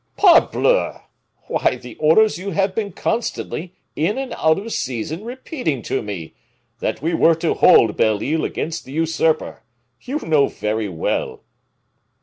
"Parbleu! Why, the orders you have been constantly, in and out of season, repeating to me that we were to hold Belle Isle against the usurper. You know very well!"